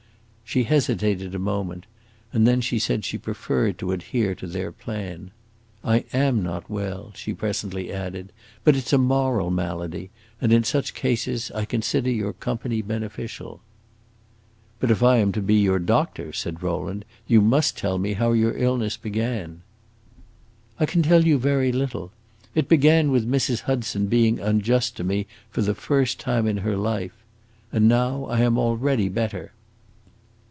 She hesitated a moment, and then said she preferred to adhere to their plan. "I am not well," she presently added, "but it 's a moral malady, and in such cases I consider your company beneficial." "But if I am to be your doctor," said Rowland, "you must tell me how your illness began." "I can tell you very little. It began with Mrs. Hudson being unjust to me, for the first time in her life. And now I am already better!"